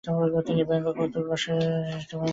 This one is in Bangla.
তিনি ব্যঙ্গকৌতুক রসের স্রষ্টা হিসেবে বিশেষভাবে পরিচিত।